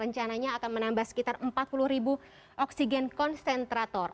rencananya akan menambah sekitar empat puluh ribu oksigen konsentrator